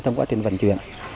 trong quá trình vận chuyển